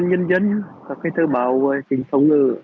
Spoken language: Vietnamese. những cái thông tin các cái thơ báo về tình phong ngữ việt nam